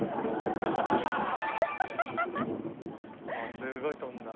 すごい飛んだ。